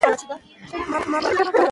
وايي عقل له بې عقله څخه زده کېږي.